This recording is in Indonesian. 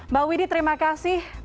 mbak widi terima kasih